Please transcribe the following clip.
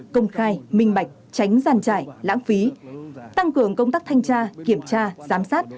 công khai minh bạch tránh giàn trải lãng phí tăng cường công tác thanh tra kiểm tra giám sát